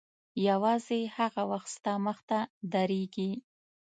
یوازې هغه وخت ستا مخته درېږي.